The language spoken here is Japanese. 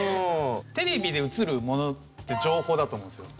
テレビで映るものって情報だと思うんですよ。